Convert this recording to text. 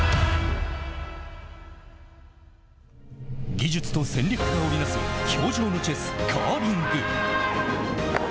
技術と戦略が織りなす氷上のチェス、カーリング。